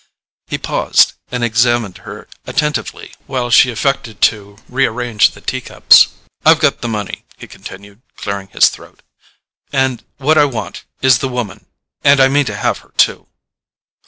He paused, and examined her attentively while she affected to rearrange the tea cups. "I've got the money," he continued, clearing his throat, "and what I want is the woman—and I mean to have her too."